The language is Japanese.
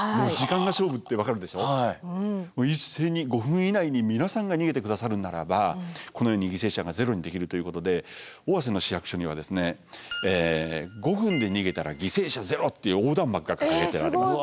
一斉に５分以内に皆さんが逃げて下さるんならばこのように犠牲者がゼロにできるということで尾鷲の市役所には「５分で逃げたら犠牲者０！」っていう横断幕が掲げてあります。